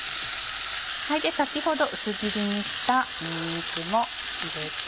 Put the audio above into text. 先ほど薄切りにしたにんにくも入れて。